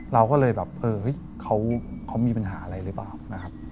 เราก็เลยแบบเฮ้ยเขามีปัญหาอะไรหรือเปล่า